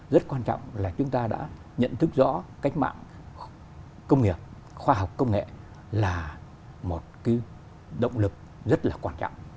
rất quan trọng là chúng ta đã nhận thức rõ cách mạng công nghiệp khoa học công nghệ là một động lực rất là quan trọng